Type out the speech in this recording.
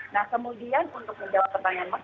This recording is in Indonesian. nah kemudian untuk menjawab pertanyaan mas